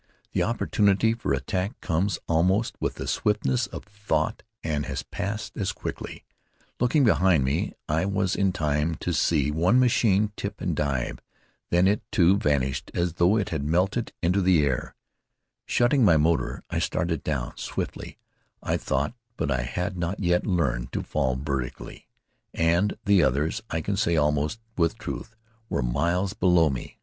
The opportunity for attack comes almost with the swiftness of thought and has passed as quickly. Looking behind me, I was in time to see one machine tip and dive. Then it, too, vanished as though it had melted into the air. Shutting my motor, I started down, swiftly, I thought; but I had not yet learned to fall vertically, and the others I can say almost with truth were miles below me.